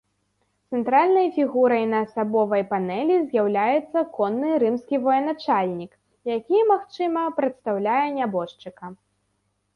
Цэнтральнай фігурай на асабовай панэлі з'яўляецца конны рымскі военачальнік, які, магчыма, прадстаўляе нябожчыка.